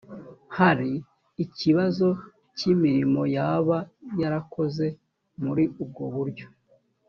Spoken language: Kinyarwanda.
hari ikibazo cy imirimo yaba yarakoze muri ubwo buryo